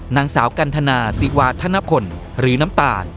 นางสาวกันทนาศิวาธนพลหรือน้ำตาล